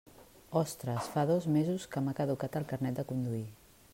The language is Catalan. Ostres, fa dos mesos que m'ha caducat el carnet de conduir.